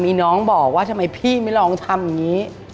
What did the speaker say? มีน้องบอกว่าทำไมพี่ไม่ลองทำอย่างนี้